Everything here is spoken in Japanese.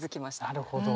なるほど。